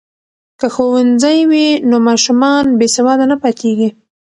که ښوونځی وي نو ماشومان بې سواده نه پاتیږي.